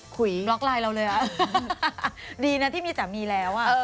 คุยนะคะล็อคไลน์เราเลยอ่ะดีนะที่มีสามีแล้วอ่ะ